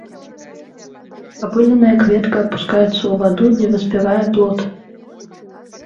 Апыленая кветка апускаецца ў ваду, дзе выспявае плод.